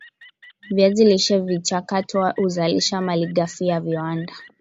viazi lishe vikichakatwa huzalisha malighafi ya viwanda